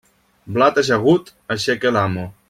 Blat ajagut, aixeca l'amo.